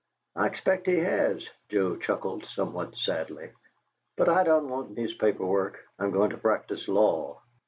"I expect he has," Joe chuckled, somewhat sadly. "But I don't want newspaper work. I'm going to practice law."